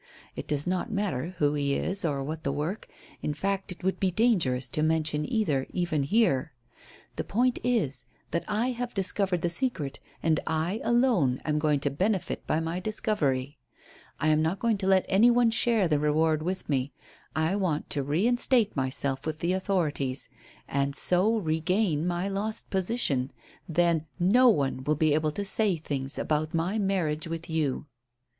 It does not matter who he is or what the work; in fact, it would be dangerous to mention either, even here; the point is that I have discovered the secret, and I, alone, am going to benefit by my discovery. I am not going to let any one share the reward with me. I want to reinstate myself with the authorities, and so regain my lost position, then no one will be able to say things about my marriage with you."